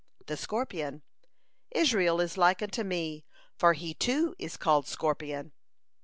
The Scorpion: "Israel is like unto me, for he, too, is called scorpion."